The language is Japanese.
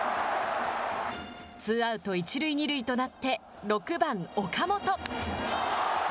ツーアウト１塁２塁となって、６番岡本。